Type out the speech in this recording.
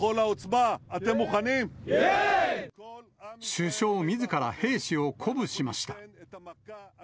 首相みずから兵士を鼓舞しました。